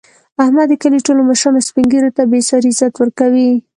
احمد د کلي ټولو مشرانو او سپین ږېرو ته بې ساري عزت ورکوي.